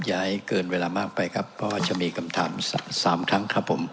อย่าให้เกินเวลามากไปครับเพราะว่าจะมีคำถาม๓ครั้งครับผม